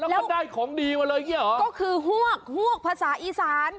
แล้วก็ได้ของดีมาเลยอย่างเงี้เหรอก็คือฮวกฮวกภาษาอีสาน